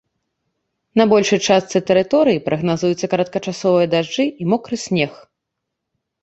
На большай частцы тэрыторыі прагназуюцца кароткачасовыя дажджы і мокры снег.